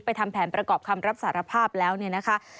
ทำแผนประกอบคำรับสารภาพแล้วเนี่ยนะคะ